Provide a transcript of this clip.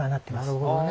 なるほどね。